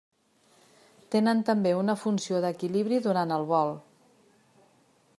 Tenen també una funció d’equilibri durant el vol.